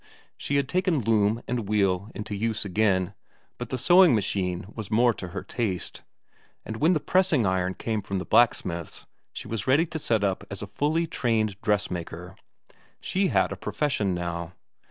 She had taken loom and wheel into use again, but the sewing machine was more to her taste; and when the pressing iron came up from the blacksmith's, she was ready to set up as a fully trained dressmaker. She had a profession now.